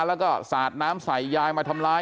แล้วก็สาดน้ำใส่ยายมาทำร้าย